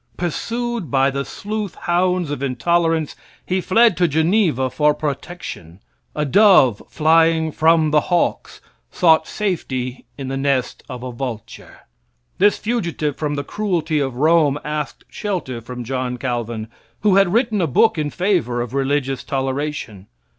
Pursued by the sleuth hounds of intolerance he fled to Geneva for protection. A dove flying from hawks, sought safety in the nest of a vulture. This fugitive from the cruelty of Rome asked shelter from John Calvin, who had written a book in favor of religious toleration.